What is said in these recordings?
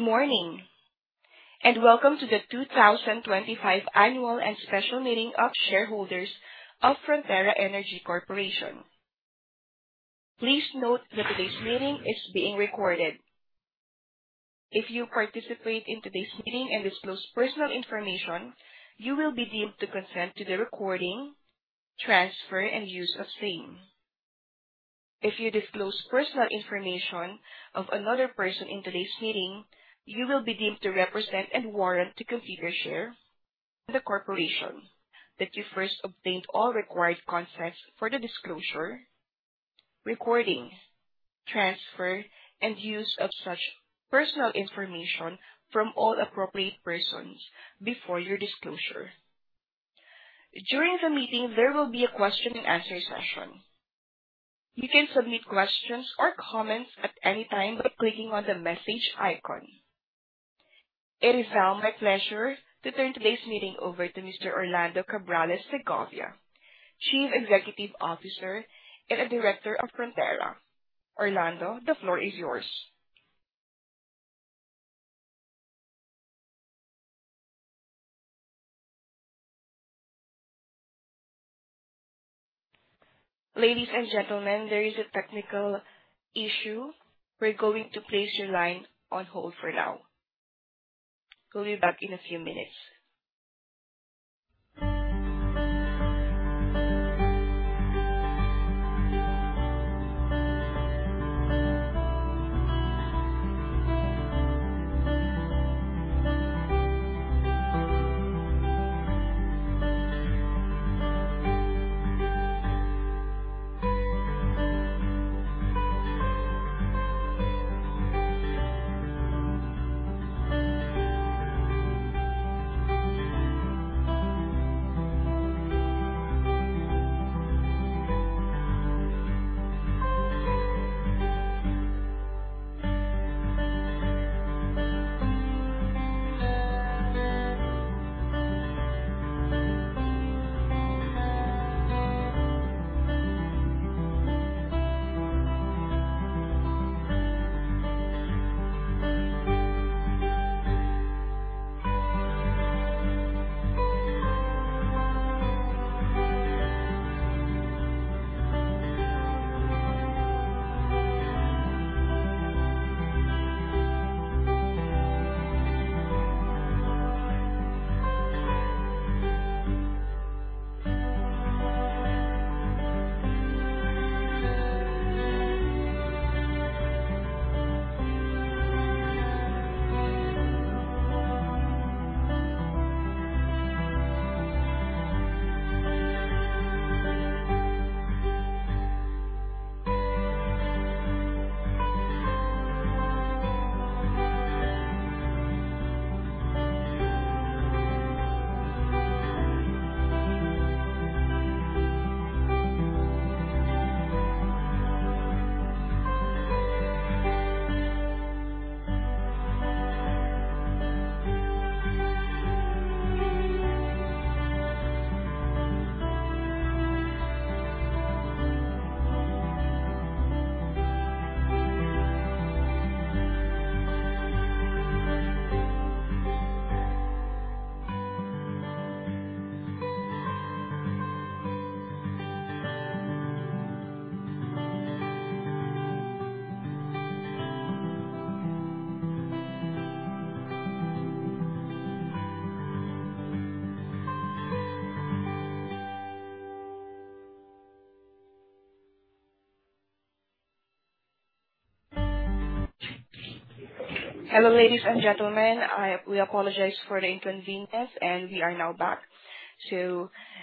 Good morning, and welcome to the 2025 annual and special meeting of shareholders of Frontera Energy Corporation. Please note that today's meeting is being recorded. If you participate in today's meeting and disclose personal information, you will be deemed to consent to the recording, transfer, and use of same. If you disclose personal information of another person in today's meeting, you will be deemed to represent and warrant to Computershare, the corporation, that you first obtained all required consents for the disclosure, recording, transfer, and use of such personal information from all appropriate persons before your disclosure. During the meeting, there will be a question and answer session. You can submit questions or comments at any time by clicking on the message icon. It is now my pleasure to turn today's meeting over to Mr. Orlando Cabrales Segovia, Chief Executive Officer and a Director of Frontera. Orlando, the floor is yours.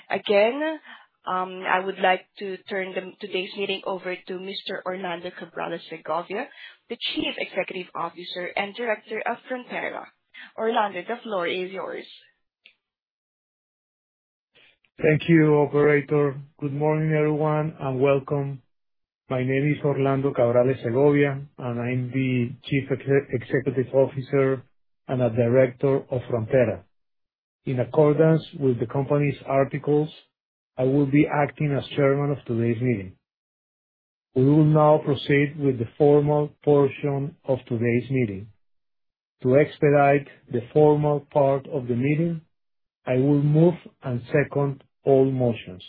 Again, I would like to turn today's meeting over to Mr. Orlando Cabrales Segovia, the Chief Executive Officer and Director of Frontera. Orlando, the floor is yours. Thank you, operator. Good morning, everyone, and welcome. My name is Orlando Cabrales Segovia, and I'm the Chief Executive Officer and a Director of Frontera. In accordance with the company's articles, I will be acting as Chairman of today's meeting. We will now proceed with the formal portion of today's meeting. To expedite the formal part of the meeting, I will move and second all motions.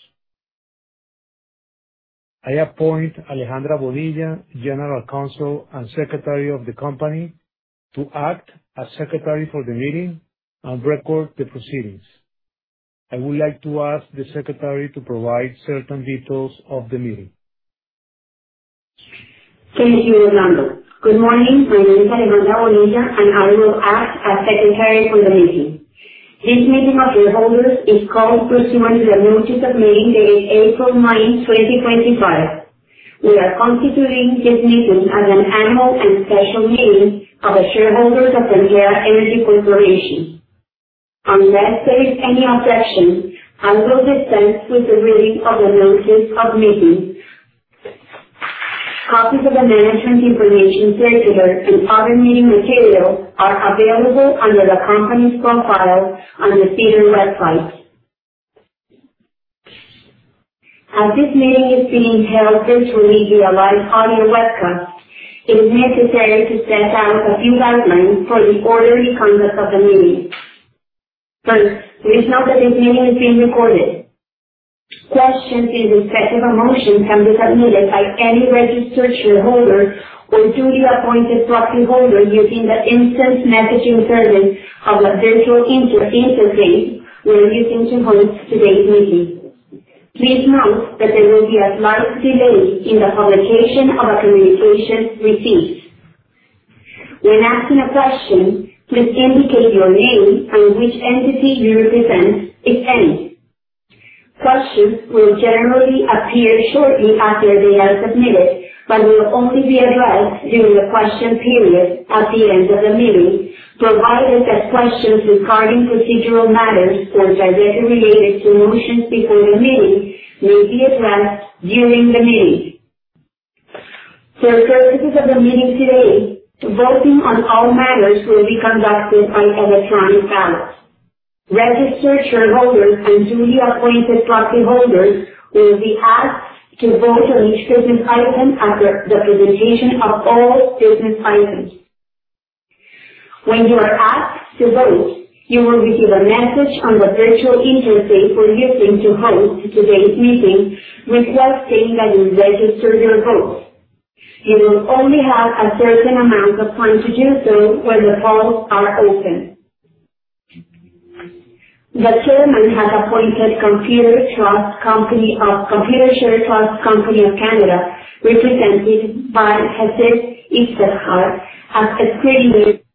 I appoint Alejandra Bonilla, General Counsel and Secretary of the company, to act as Secretary for the meeting and record the proceedings. I would like to ask the Secretary to provide certain details of the meeting. Thank you, Orlando. Good morning. My name is Alejandra Bonilla, and I will act as Secretary for the meeting. This meeting of shareholders is called pursuant to the notice of meeting dated April 9, 2025. We are constituting this meeting as an annual and special meeting of the shareholders of Frontera Energy Corporation. Unless there is any objection, I will dispense with the reading of the notice of meeting. Copies of the management information circular and other meeting material are available under the company's profile on the SEDAR+ website. As this meeting is being held virtually via live audio webcast, it is necessary to set out a few guidelines for the orderly conduct of the meeting. First, please note that this meeting is being recorded. Questions in respect of a motion can be submitted by any registered shareholder or duly appointed proxyholder using the instant messaging service of the virtual interface we're using to host today's meeting. Please note that there will be a slight delay in the publication of a communication received. When asking a question, please indicate your name and which entity you represent, if any. Questions will generally appear shortly after they are submitted, but will only be addressed during the question period at the end of the meeting, provided that questions regarding procedural matters or directly related to motions before the meeting may be addressed during the meeting. For purposes of the meeting today, voting on all matters will be conducted by electronic ballot. Registered shareholders and duly appointed proxyholders will be asked to vote on each business item after the presentation of all business items. When you are asked to vote, you will receive a message on the virtual interface we're using to host today's meeting, requesting that you register your vote. You will only have a certain amount of time to do so when the polls are open. The Chairman has appointed Computershare Trust Company of Canada, represented by Hesed Itzchak, as a scrutineer.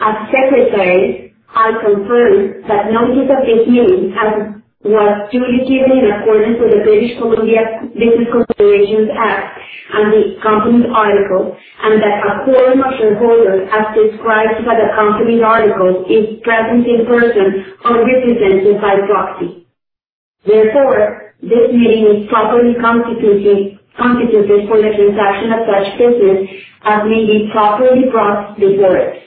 As Secretary, I confirm that notices of this meeting was duly given in accordance with the British Columbia Business Corporations Act and the company's articles, and that a quorum of shareholders, as described by the company's articles, is present in person or represented by proxy. Therefore, this meeting is properly constituted for the transaction of such business as may be properly brought before it.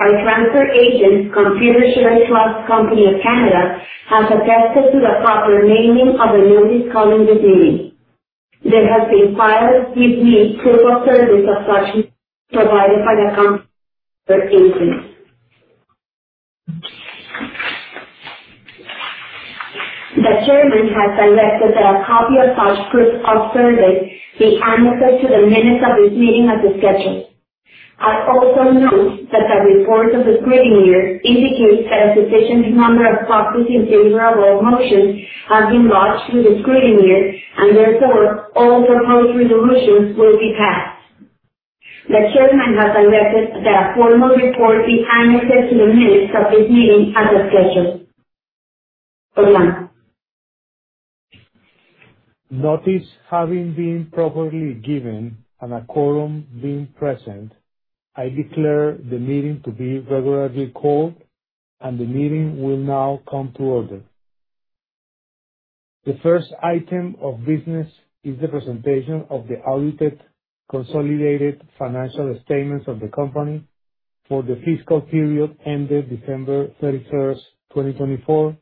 Our transfer agent, Computershare Trust Company of Canada, has attested to the proper mailing of the notice calling this meeting. There has been filed with me proof of service of such provided by the company's agent. The chairman has directed that a copy of such proof of service be annexed to the minutes of this meeting as a schedule. I also note that the report of the scrutineer indicates that a sufficient number of proxies in favor of all motions have been lodged with the scrutiny, and therefore, all proposed resolutions will be passed. The chairman has directed that a formal report be annexed to the minutes of this meeting as a schedule. Orlando. Notice having been properly given and a quorum being present, I declare the meeting to be regularly called, and the meeting will now come to order. The first item of business is the presentation of the audited consolidated financial statements of the company for the fiscal period ended December 31st, 2024,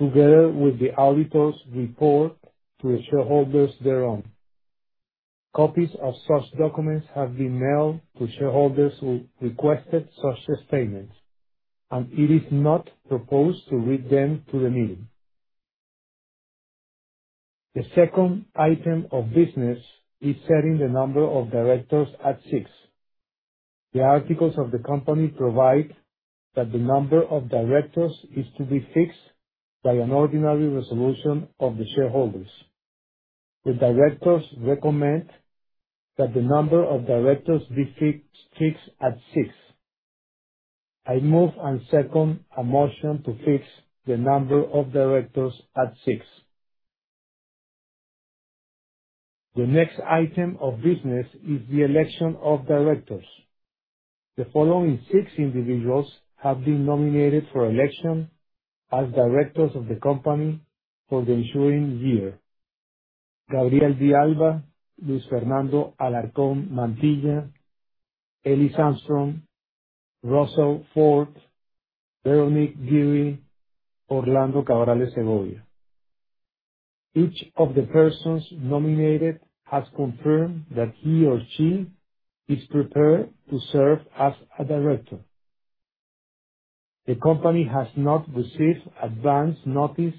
together with the auditor's report to the shareholders thereon. Copies of such documents have been mailed to shareholders who requested such statements, and it is not proposed to read them to the meeting. The second item of business is setting the number of directors at six. The articles of the Company provide that the number of directors is to be fixed by an ordinary resolution of the shareholders. The directors recommend that the number of directors be fixed at six. I move and second a motion to fix the number of directors at six. The next item of business is the election of directors. The following six individuals have been nominated for election as directors of the company for the ensuing year. Gabriel de Alba, Luis Fernando Alarcón Mantilla, Ellis Armstrong, Russell Ford, Veronique Giry, Orlando Cabrales Segovia. Each of the persons nominated has confirmed that he or she is prepared to serve as a director. The company has not received advance notice,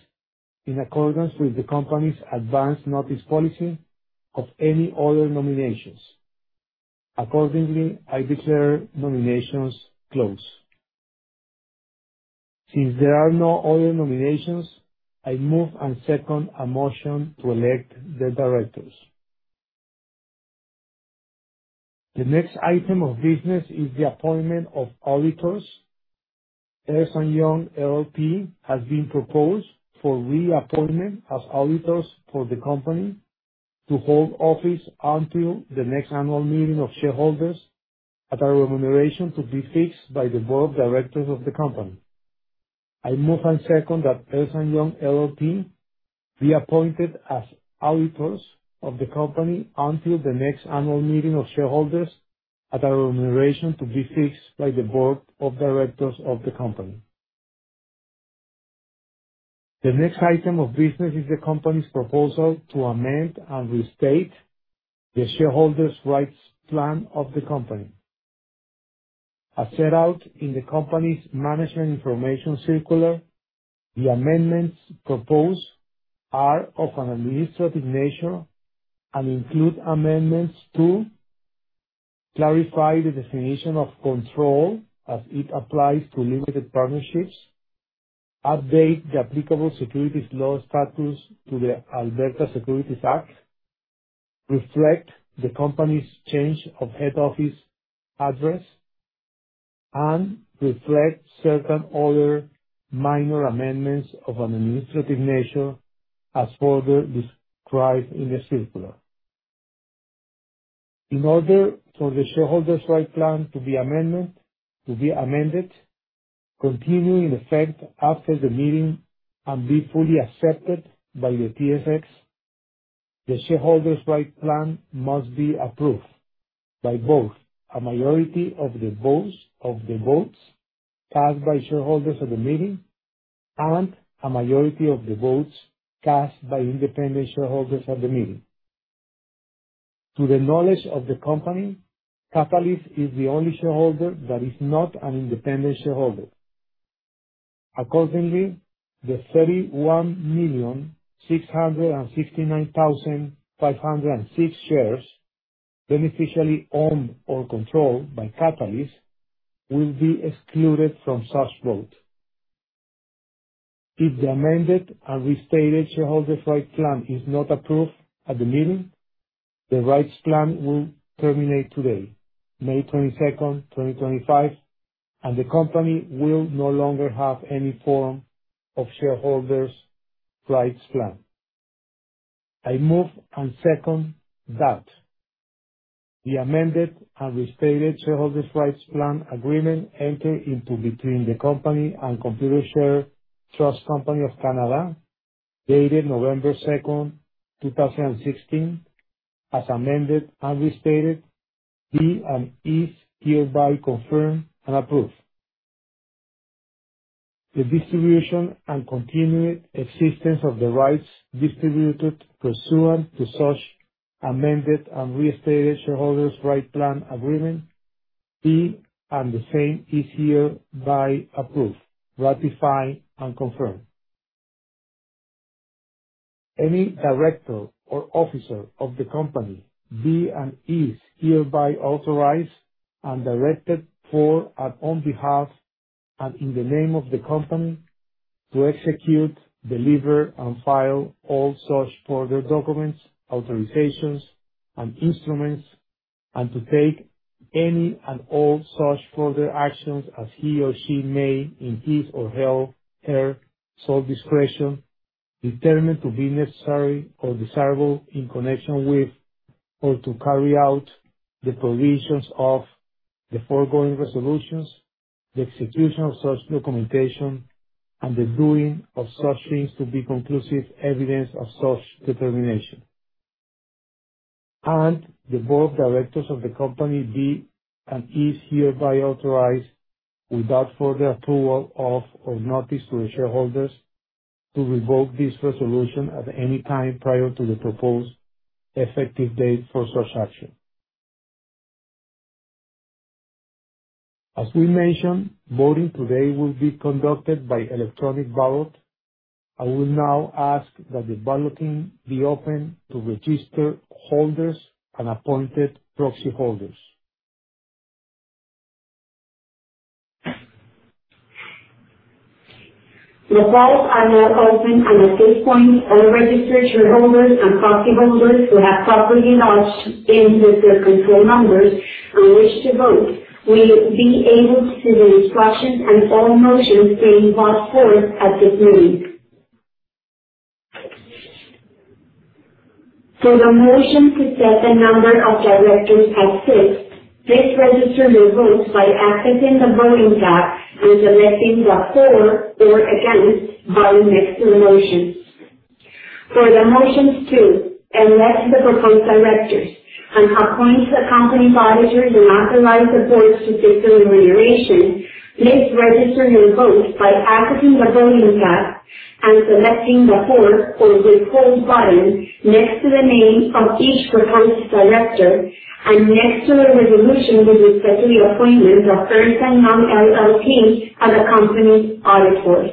in accordance with the company's advance notice policy, of any other nominations. Accordingly, I declare nominations closed. Since there are no other nominations, I move and second a motion to elect the directors. The next item of business is the appointment of auditors. Ernst & Young LLP has been proposed for reappointment as auditors for the company to hold office until the next annual meeting of shareholders at a remuneration to be fixed by the Board of Directors of the company. I move and second that Ernst & Young LLP be appointed as auditors of the company until the next annual meeting of shareholders at a remuneration to be fixed by the Board of Directors of the Company. The next item of business is the company's proposal to amend and restate the Shareholders' Rights Plan of the Company. As set out in the Company's Management Information Circular, the amendments proposed are of an administrative nature and include amendments to clarify the definition of control as it applies to limited partnerships, update the applicable securities law status to the Alberta Securities Act, reflect the company's change of head office address, and reflect certain other minor amendments of an administrative nature as further described in the Circular. In order for the shareholders' rights plan to be amended, continue in effect after the meeting and be fully accepted by the TSX, the shareholders' rights plan must be approved by both a majority of the votes cast by shareholders at the meeting and a majority of the votes cast by independent shareholders at the meeting. To the knowledge of the company, Catalyst is the only shareholder that is not an independent shareholder. Accordingly, the 31,669,506 shares beneficially owned or controlled by Catalyst will be excluded from such vote. If the amended and restated shareholders' rights plan is not approved at the meeting, the rights plan will terminate today, May 22nd, 2025, and the company will no longer have any form of shareholders' rights plan. I move and second that the amended and restated shareholders' rights plan agreement entered into between the company and Computershare Trust Company of Canada, dated November second, 2016, as amended and restated, be and is hereby confirmed and approved. The distribution and continued existence of the rights distributed pursuant to such amended and restated shareholders' rights plan agreement be, and the same is hereby approved, ratified, and confirmed. Any director or officer of the company be and is hereby authorized and directed for and on behalf and in the name of the company to execute, deliver, and file all such further documents, authorizations, and instruments, and to take any and all such further actions as he or she may, in his or her sole discretion, determine to be necessary or desirable in connection with, or to carry out the provisions of the foregoing resolutions, the execution of such documentation, and the doing of such things to be conclusive evidence of such determination. The Board of Directors of the company be and is hereby authorized, without further approval of or notice to the shareholders, to revoke this resolution at any time prior to the proposed effective date for such action. As we mentioned, voting today will be conducted by electronic ballot. I will now ask that the balloting be open to registered holders and appointed proxyholders. The polls are now open, and at this point, all registered shareholders and proxyholders who have properly logged in with their control numbers and wish to vote will be able to vote questions and all motions being brought forth at this meeting. For the motion to set the number of directors at six, please register your vote by accessing the voting tab and selecting the for or against button next to the motion. For the motions to elect the proposed directors and appoint the company's auditors and authorize the board to fix their remuneration, please register your vote by accessing the voting tab and selecting the for or withhold button next to the name of each proposed director and next to the resolution to accept the appointment of Ernst & Young LLP as the company's auditors.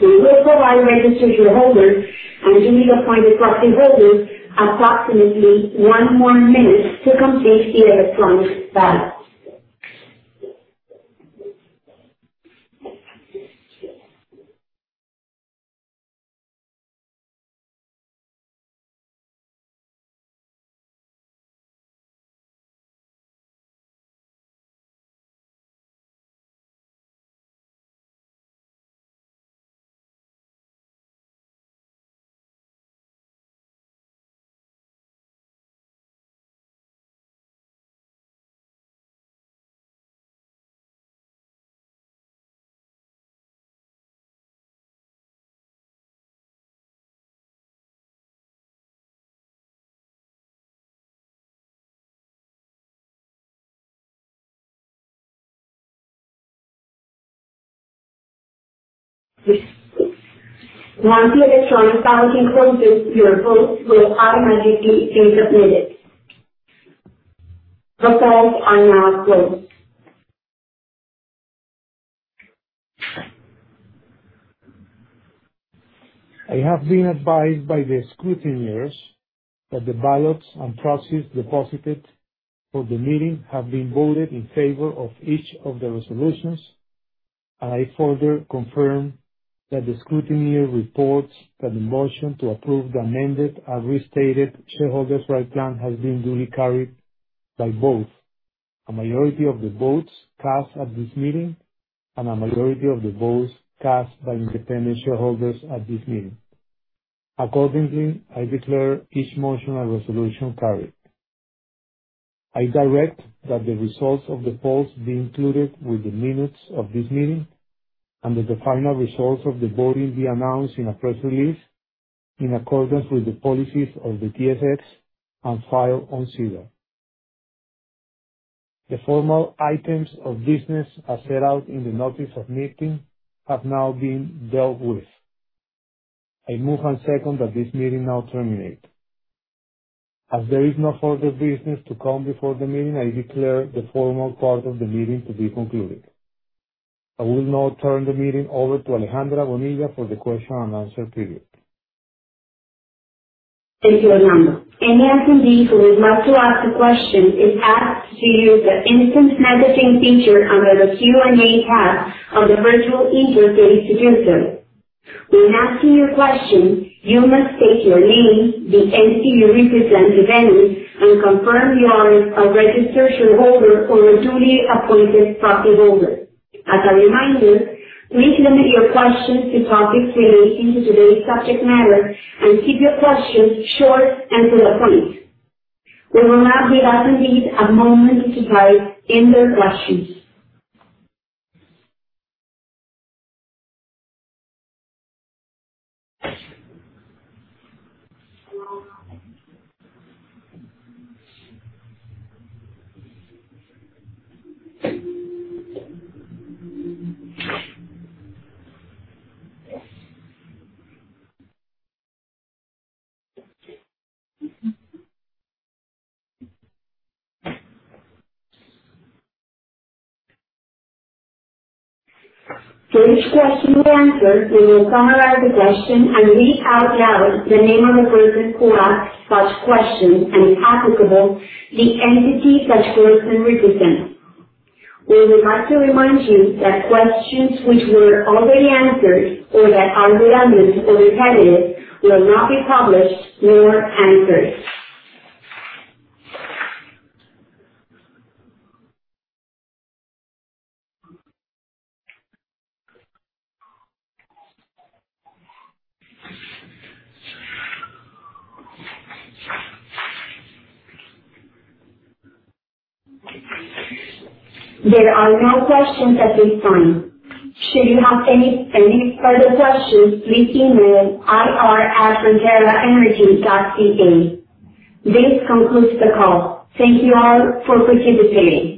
We will provide registered holders and duly appointed proxyholders approximately one more minute to complete the electronic ballot. Once the electronic ballot is closed, your vote will automatically be submitted. The polls are now closed. I have been advised by the scrutineers that the ballots and proxies deposited for the meeting have been voted in favor of each of the resolutions. I further confirm that the scrutineer reports that the motion to approve the amended and restated shareholders' rights plan has been duly carried by both a majority of the votes cast at this meeting and a majority of the votes cast by independent shareholders at this meeting. Accordingly, I declare each motion and resolution carried. I direct that the results of the polls be included with the minutes of this meeting and that the final results of the voting be announced in a press release in accordance with the policies of the TSX on file on SEDAR+. The formal items of business as set out in the notice of meeting have now been dealt with. I move and second that this meeting now terminate. As there is no further business to come before the meeting, I declare the formal part of the meeting to be concluded. I will now turn the meeting over to Alejandra Bonilla for the question and answer period. Thank you, Orlando. Any attendee who would like to ask a question is asked to use the instant messaging feature under the Q&A tab of the virtual interface you're using. When asking your question, you must state your name, the entity you represent, if any, and confirm you are a registered shareholder or a duly appointed proxyholder. As a reminder, please limit your questions to topics relating to today's subject matter, and keep your questions short and to the point. We will now give attendees a moment to write in their questions. For each question we answer, we will summarize the question and read out loud the name of the person who asked such question, and if applicable, the entity such person represents. We would like to remind you that questions which were already answered or that are redundant or repetitive will not be published nor answered. There are no questions at this time. Should you have any further questions, please email ir@fronteraenergy.ca. This concludes the call. Thank you all for participating.